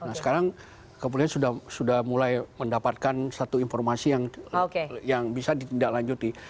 nah sekarang kepolisian sudah mulai mendapatkan satu informasi yang bisa ditindaklanjuti